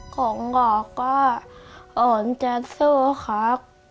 ขนหลอกว่าขนจะช่วยเขา